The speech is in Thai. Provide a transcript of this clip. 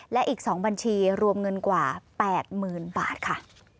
และอีก๒บัญชีรวมเงินกว่า๘๐๐๐บาทค่ะ